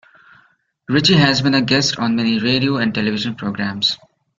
Richie has been a guest on many radio and television programs.